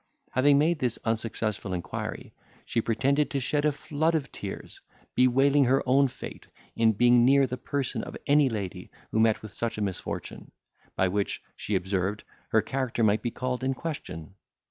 Having made this unsuccessful inquiry, she pretended to shed a flood of tears, bewailing her own fate, in being near the person of any lady who met with such a misfortune, by which, she observed, her character might be called in question.